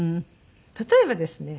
例えばですね